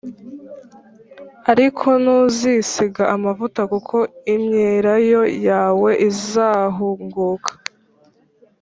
ariko ntuzisiga amavuta kuko imyelayo yawe izahunguka.